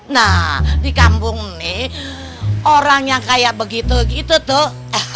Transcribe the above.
nah dikambung nih orang yang kaya begitu gitu tuh